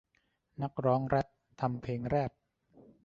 นักร้องแร็พทำเพลงแรพ